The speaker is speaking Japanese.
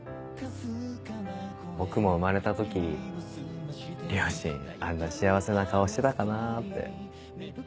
僕も生まれた時両親あんな幸せな顔してたかなぁって。